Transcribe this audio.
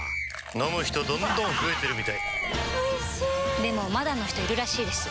飲む人どんどん増えてるみたいおいしでもまだの人いるらしいですよ